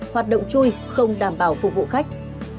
hoạt động chui không đảm bảo phục vụ khách